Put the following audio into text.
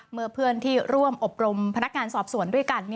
เมื่อเพื่อนที่ร่วมอบรมพนักงานสอบสวนด้วยกัน